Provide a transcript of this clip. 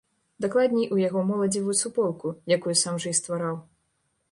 Дакладней, у яго моладзевую суполку, якую сам жа і ствараў.